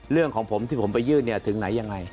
เรื่องของผมที่ผมไปยื่นเนี่ยถึงไหนยังไง